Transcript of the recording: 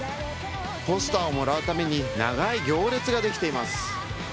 ポスターをもらうために長い行列ができています。